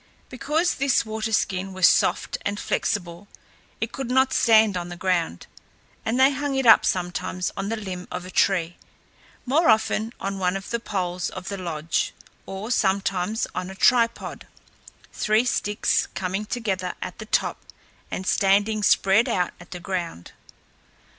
Because this water skin was soft and flexible, it could not stand on the ground, and they hung it up, sometimes on the limb of a tree, more often on one of the poles of the lodge, or sometimes on a tripod three sticks coming together at the top and standing spread out at the ground.